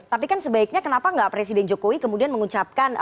tapi kan sebaiknya kenapa nggak presiden jokowi kemudian mengucapkan